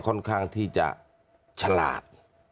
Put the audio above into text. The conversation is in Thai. ค่อนข้างที่จะฉลาด